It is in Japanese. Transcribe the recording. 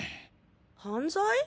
犯罪？